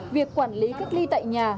việc quản lý cách ly tại nhà